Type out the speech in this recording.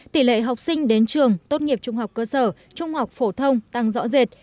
tỷ lệ học sinh đến trường tốt nghiệp trung học cơ sở trung học phổ thông tăng rõ rệt